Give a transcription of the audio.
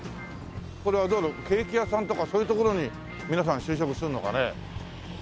これはケーキ屋さんとかそういうところに皆さん就職するのかね？